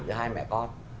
giữa hai mẹ con